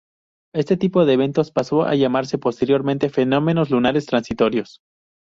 Este tipo de eventos pasó a llamarse posteriormente fenómenos lunares transitorios.